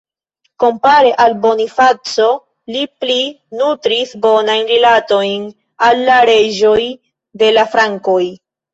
Kompare al Bonifaco, li pli nutris bonajn rilatojn al la reĝoj de la frankoj.